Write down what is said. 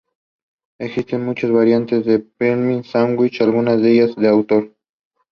The ten stamens are sparsely hairy.